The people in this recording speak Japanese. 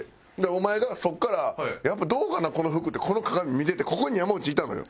お前がそこから「やっぱどうかなこの服」ってこの鏡見ててここに山内いたのよ。